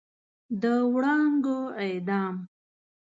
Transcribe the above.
د وړانګو اعدام